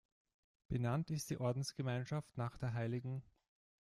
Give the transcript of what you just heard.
Benannt ist die Ordensgemeinschaft nach der hl.